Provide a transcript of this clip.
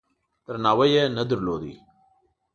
درناوی یې نه درلود.